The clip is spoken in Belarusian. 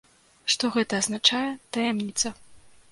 Што гэта азначае, таямніца.